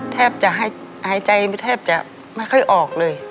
แทบจะหายใจแทบจะไม่ค่อยออกเลย